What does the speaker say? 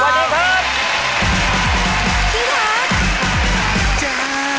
สวัสดีครับ